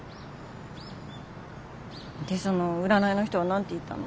でその占いの人は何て言ったの？